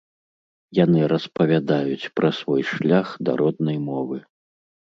Яны распавядаюць пра свой шлях да роднай мовы.